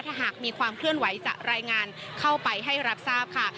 ถ้าหากมีความเคลื่อนไหวจะรายงานเข้าไปให้รับทราบค่ะ